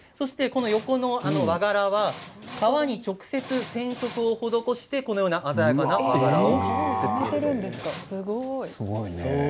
横の和柄は革に直接染色を施してこのような鮮やかな和柄を作っています。